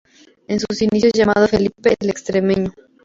En sus inicios llamado Felipe "El extremeño".